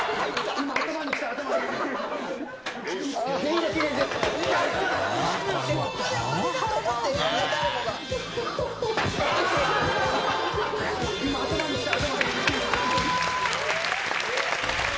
今、頭にきた！